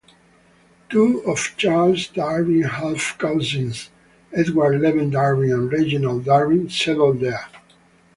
Two of Charles Darwin's half-cousins, Edward Levett Darwin and Reginald Darwin, settled there.